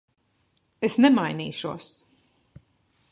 Es nemainīšos.